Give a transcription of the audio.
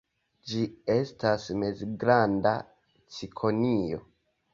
Ĝi estas mezgranda cikonio.